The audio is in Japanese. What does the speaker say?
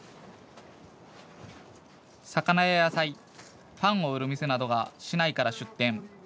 魚や野菜、パンを売る店などが市内から出店。